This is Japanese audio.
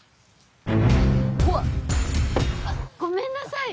うわっ！ごめんなさい。